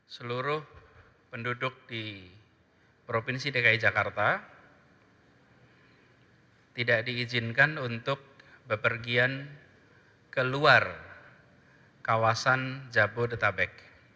seluruh penduduk di provinsi dki jakarta tidak diizinkan untuk bepergian ke luar kawasan jabodetabek